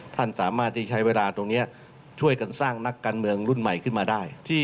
ท่านสามารถที่ใช้เวลาตรงนี้ช่วยกันสร้างนักการเมืองรุ่นใหม่ขึ้นมาได้